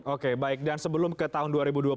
oke baik dan sebelum ke tahun dua ribu dua puluh satu